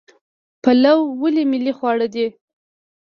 پلاو ولې ملي خواړه دي؟